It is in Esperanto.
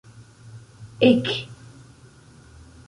ek